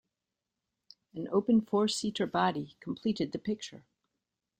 An open four-seater body completed the picture.